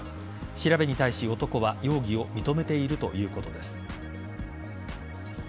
調べに対し男は容疑を認めているということです。